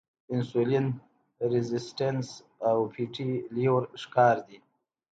انسولین ريزسټنس او فېټي لیور ښکار دي -